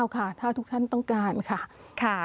๐๒๖๔๓๖๐๓๙ค่ะถ้าทุกท่านต้องการค่ะ